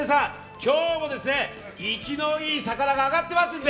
今日も生きのいい魚が上がってますので。